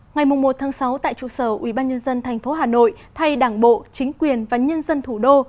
ngày một sáu tại trụ sở ubnd tp hà nội thay đảng bộ chính quyền và nhân dân thủ đô